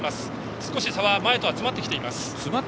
少し差は前と詰まってきています。